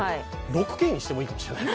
６Ｋにしてもいいかもしれない。